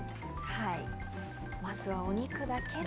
まずはお肉だけで。